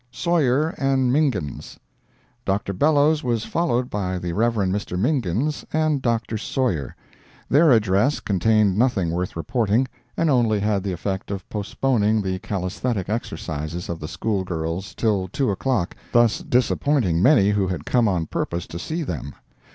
SAWYER AND MINGINS Dr. Bellows was followed by the Rev. Mr. Mingins and Dr. Sawyer. Their addresses contained nothing worth reporting, and only had the effect of postponing the calisthenic exercises of the school girls till two o'clock, thus disappointing many who had come on purpose to see them.